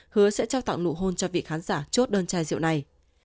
hứa sẽ trao tặng nụ hôn cho vị khán giả chốt đơn chai rượu này